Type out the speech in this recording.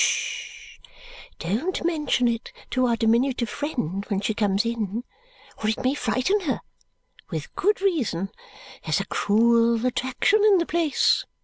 Hush! Don't mention it to our diminutive friend when she comes in. Or it may frighten her. With good reason. There's a cruel attraction in the place.